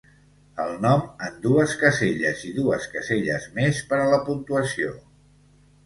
El nom en dues caselles i dues caselles més per a la puntuació.